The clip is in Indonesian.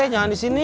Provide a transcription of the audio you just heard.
jangan di sini